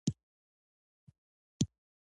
متنونه هم د صفر او یو په ترکیب ذخیره کېږي.